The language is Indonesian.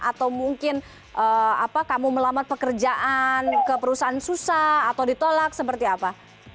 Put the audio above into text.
atau mungkin kamu melamat pekerjaan ke perusahaan susah atau ditolak seperti apa